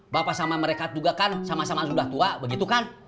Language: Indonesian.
bapak sama mereka juga kan sama sama sudah tua begitu kan